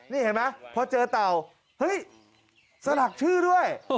นี่เห็นไหมพอเจอเต่าเฮ้ยสลักชื่อด้วย